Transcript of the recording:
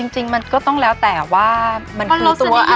จริงมันก็ต้องแล้วแต่ว่ามันคือตัว